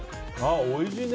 おいしいね。